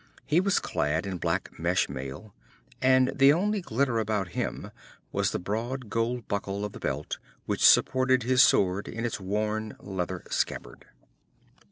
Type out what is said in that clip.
He was clad in black mesh mail, and the only glitter about him was the broad gold buckle of the belt which supported his sword in its worn leather scabbard.